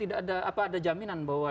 apa ada jaminan bahwa